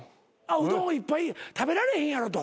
うどんを１杯食べられへんやろと。